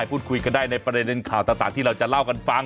พูดคุยกันได้ในประเด็นข่าวต่างที่เราจะเล่ากันฟัง